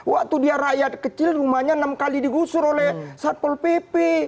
waktu dia rakyat kecil rumahnya enam kali digusur oleh satpol pp